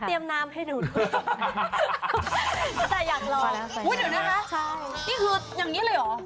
เตรียมน้ำให้ดูดแต่อยากลองอุ๊ยเดี๋ยวนะครับนี่คืออย่างนี้เลยเหรอ